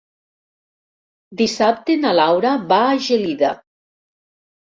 Dissabte na Laura va a Gelida.